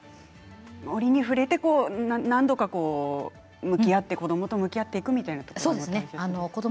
折に触れて何度か向き合って子どもと向き合っていくみたいなことも？